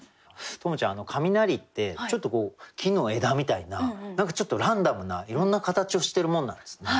十夢ちゃん雷ってちょっと木の枝みたいな何かちょっとランダムないろんな形をしてるもんなんですね。